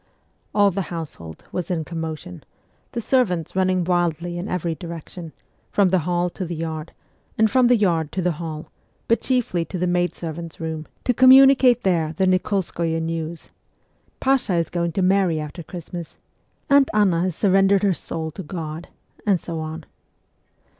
' All the household was in commotion, the servants running wildly in every direction, from the hall to the yard, and from the yard to the hall, but chiefly to the maid servants' room, to communicate there the Nikolskoye news :' Pasha is going to marry after Christmas. Aunt Anna has surrendered her soul to God,' and so on.